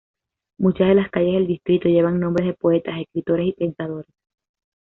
Muchas de las calles del distrito llevan nombres de poetas, escritores y pensadores.